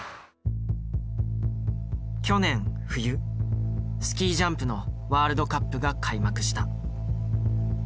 去年冬スキージャンプのワールドカップが開幕した。